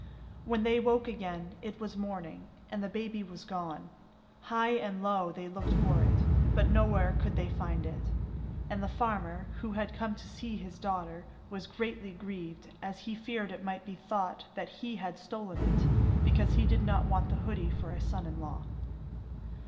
When they woke again it was morning, and the baby was gone. High and low they looked for it, but nowhere could they find it, and the farmer, who had come to see his daughter, was greatly grieved, as he feared it might be thought that he had stolen it, because he did not want the hoodie for a son in law.